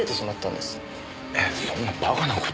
えっそんなバカな事。